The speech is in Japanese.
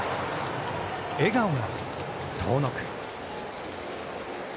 笑顔が遠のく。